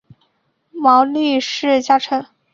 毛利氏家臣。